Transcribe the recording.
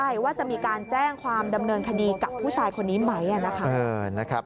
ใช่ว่าจะมีการแจ้งความดำเนินคดีกับผู้ชายคนนี้ไหมนะคะ